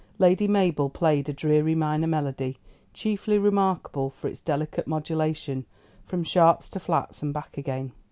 Lady Mabel played a dreary minor melody, chiefly remarkable for its delicate modulation from sharps to flats and back again.